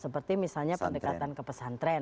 seperti misalnya pendekatan ke pesantren